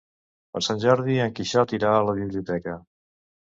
Per Sant Jordi en Quixot irà a la biblioteca.